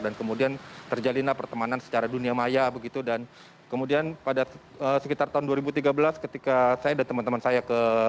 dan kemudian terjalinlah pertemanan secara dunia maya begitu dan kemudian pada sekitar tahun dua ribu tiga belas ketika saya dan teman teman saya ke